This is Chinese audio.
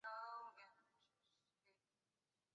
胎生紫堇为罂粟科紫堇属下的一个种。